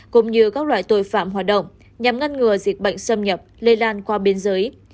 cũng như các loại tội phạm hoạt động nhằm ngăn ngừa dịch bệnh xâm nhập lây lan qua biên giới